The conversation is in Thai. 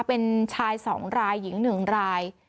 เป็นชาย๒รายหญิง๑ราย